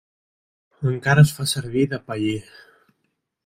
Encara es fa servir de paller.